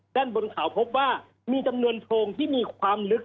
ด้านบนเขาพบว่ามีจำนวนโพรงที่มีความลึก